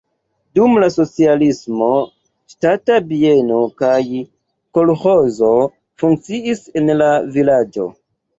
Dum la socialismo ŝtata bieno kaj kolĥozo funkciis en la vilaĝo.